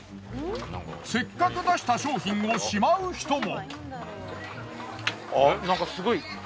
せっかく出した商品をしまう人も。